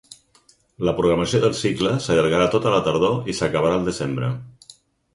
La programació del cicle s’allargarà tota la tardor i s’acabarà al desembre.